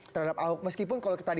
terhadap ahok meskipun kalau tadi